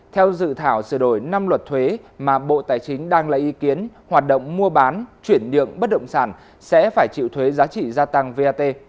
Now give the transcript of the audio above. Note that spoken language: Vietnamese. theo dự thảo sửa đổi năm luật thuế mà bộ tài chính đang lấy ý kiến hoạt động mua bán chuyển nhượng bất động sản sẽ phải chịu thuế giá trị gia tăng vat